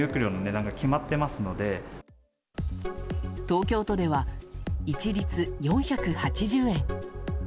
東京都では一律４８０円。